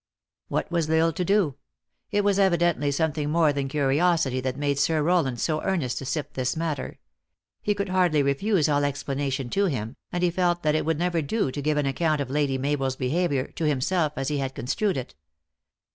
What was L Isle to do? It was evidently some thing more than curiosity that made Sir Rowland so earnest to sift this matter. He could hardly refuse all explanation to him and he felt that it would never do to give an account of Lady Mabel s behavior, to himself, as he had construed it.